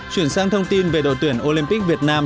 chuyển sang thông tin về đội tuyển olympic việt nam